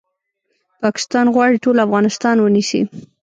پاکستان غواړي ټول افغانستان ونیسي